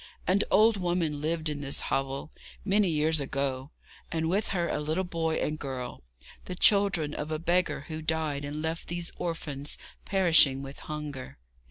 An old woman lived in this hovel, many years ago, and with her a little boy and girl, the children of a beggar who died and left these orphans perishing with hunger.